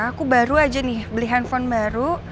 aku baru aja nih beli handphone baru